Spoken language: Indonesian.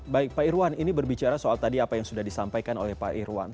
baik pak irwan ini berbicara soal tadi apa yang sudah disampaikan oleh pak irwan